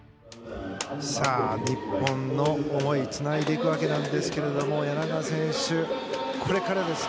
さあ、日本の思いつないでいくわけなんですけども柳川選手、これからです。